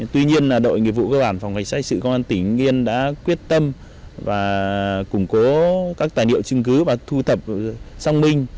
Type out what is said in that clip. tuy nhiên là đội nghiệp vụ cơ bản phòng khách sách sự công an tỉnh yên đã quyết tâm và củng cố các tài liệu chứng cứ và thu thập song minh